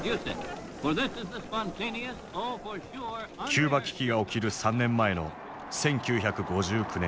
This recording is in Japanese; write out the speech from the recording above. キューバ危機が起きる３年前の１９５９年。